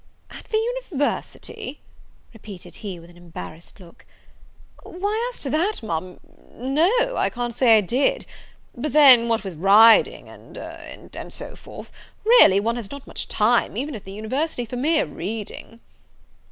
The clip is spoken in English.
"At the university!" repeated he, with an embarrassed look; "why, as to that, Ma'am, no, I can't say I did; but then, what with riding, and and and so forth, really, one has not much time, even at the university, for mere reading."